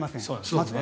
まずは。